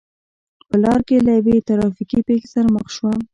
په لار کې له یوې ترا فیکې پېښې سره مخ شوم.